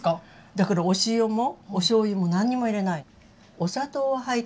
だからお塩もおしょうゆも何にも入れない。